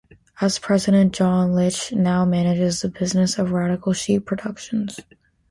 As president, John Leitch now manages the business of Radical Sheep Productions.